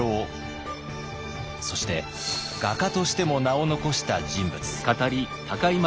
そして画家としても名を残した人物。